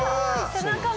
背中も！